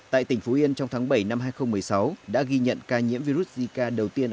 tại tỉnh phú yên trong tháng bảy năm hai nghìn một mươi sáu đã ghi nhận ca nhiễm virus zika đầu tiên